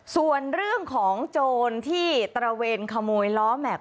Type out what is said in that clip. ส่วนเรื่องของโจรที่ตระเวนขโมยล้อแม็กซ